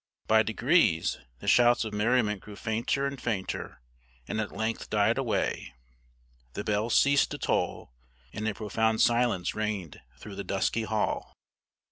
By degrees the shouts of merriment grew fainter and fainter, and at length died away; the bell ceased to toll, and a profound silence reigned through the dusky hall.